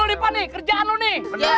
siapa sih begini